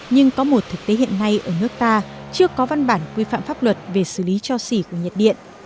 nhưng có một thực tế hiện nay ở nước ta chưa có văn bản quy phạm pháp luật về xử lý cho xỉ của nhiệt điện